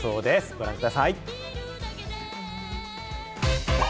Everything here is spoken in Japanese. ご覧ください。